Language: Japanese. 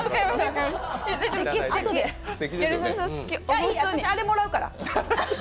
私あれもらうから。